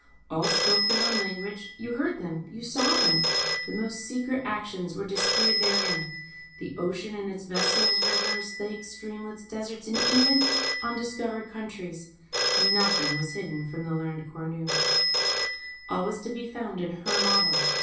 All spoke their own language, you heard them, you saw them, the most secret actions were displayed therein: the ocean and its vessels, rivers, lakes, streamlets, deserts, even yet undiscovered countries, nothing was hidden from the learned Cornue. All was to be found in her model.